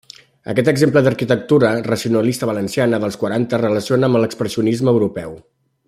Aquest exemple d'arquitectura racionalista valenciana dels quaranta es relaciona amb l'expressionisme europeu.